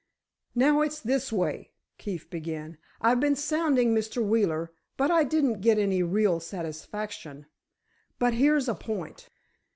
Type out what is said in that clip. "Now, it's this way," Keefe began; "I've been sounding Mr. Wheeler, but I didn't get any real satisfaction. But here's a point.